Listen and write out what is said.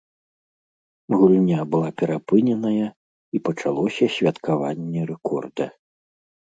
Гульня была перапыненая, і пачалося святкаванне рэкорда.